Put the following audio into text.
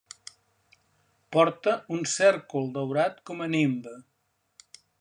Porta un cèrcol daurat com a nimbe.